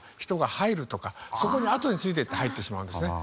そこに後についていって入ってしまうんですね。